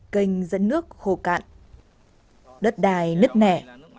cành dẫn nước khô cạn đất đài nứt nẻ